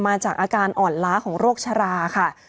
มาจากอาการอ่อนล้าของโรคชราค่ะ